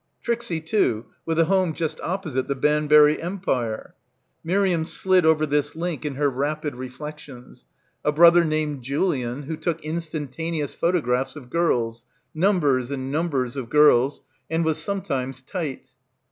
Trixie too, with a home just opposite the Banbury Empire. ... Miriam slid over this link in her rapid reflections — a brother named Julian who took instantaneous photographs of girls, numbers and numbers of girls, and was sometimes "tight."